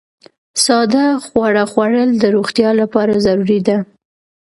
ساده خواړه خوړل د روغتیا لپاره ضروري دي.